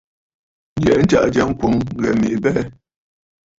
Yɛ̀ʼɛ̀ ntsaʼà jya ŋkwòŋ ŋghɛ mèʼê abɛɛ.